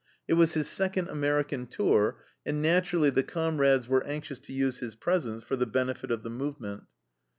It was his second American tour, and naturally the comrades were anxious to use his presence for the benefit of the movement.